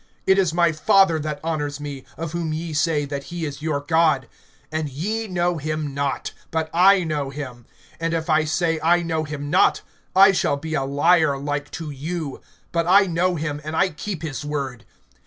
It is my Father that honors me, of whom ye say, that he is your God. (55)And ye know him not; but I know him. And if I say, I know him not, I shall be a liar like to you. But I know him, and I keep his word.